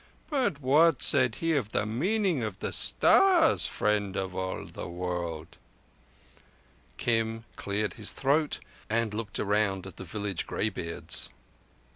But what said he of the meaning of the stars, Friend of all the World?" Kim cleared his throat and looked around at the village greybeards.